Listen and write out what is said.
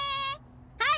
はい！